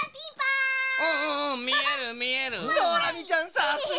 さすが！